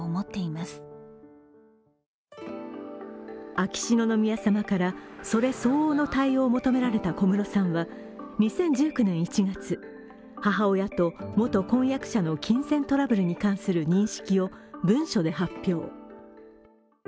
秋篠宮さまからそれ相応の対応を求められた小室さんは２０１９年１月、母親と元婚約者の金銭トラブルに関する認識を文書で発表。